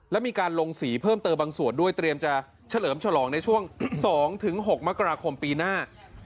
และมีการลงสีเพิ่มเติมบางส่วนด้วยเตรียมจะเฉลิมฉลองในช่วง๒๖มกราคมปีหน้า